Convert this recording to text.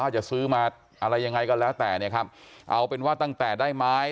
จะซื้อมาอะไรยังไงก็แล้วแต่เนี่ยครับเอาเป็นว่าตั้งแต่ได้ไม้